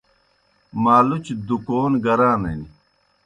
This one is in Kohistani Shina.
مالُچ دُکون گرانِن۔